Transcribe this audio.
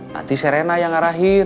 nanti serena yang ngarahin